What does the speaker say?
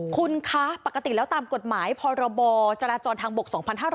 คุณคะปกติแล้วตามกฎหมายพรบจราจรทางบก๒๕๖๐